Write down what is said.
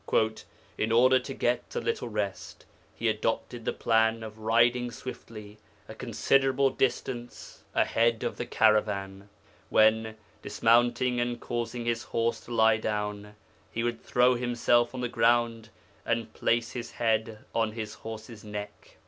'In order to get a little rest, he adopted the plan of riding swiftly a considerable distance ahead of the caravan, when, dismounting and causing his horse to lie down, he would throw himself on the ground and place his head on his horse's neck.